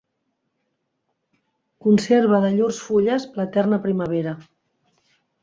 Conserva de llurs fulles l'eterna primavera.